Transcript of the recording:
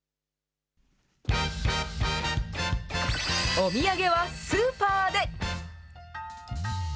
お土産はスーパーで！